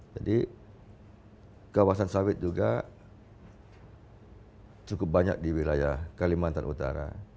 jadi kawasan sawit juga cukup banyak di wilayah kelimatan utara